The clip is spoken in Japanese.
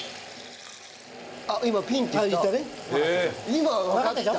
今わかった！